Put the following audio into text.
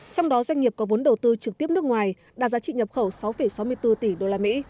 trong đó doanh nghiệp có vốn đầu tư trực tiếp nước ngoài đạt giá trị nhập khẩu sáu sáu mươi bốn tỷ usd